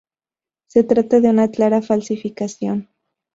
Se trata de una clara falsificación.